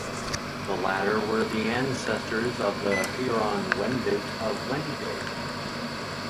The latter were the ancestors of the Huron-Wendat of Wendake.